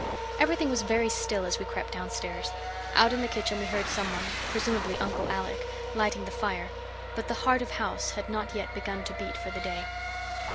Everything was very still as we crept downstairs. Out in the kitchen we heard some one, presumably Uncle Alec, lighting the fire; but the heart of house had not yet begun to beat for the day.